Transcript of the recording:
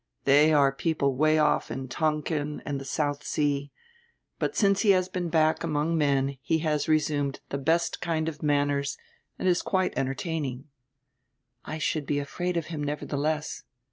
"They are people away off in Tonquin and the South Sea But since he has been back among men he has resumed the best kind of manners and is quite entertaining." "I should be afraid of him nevertheless."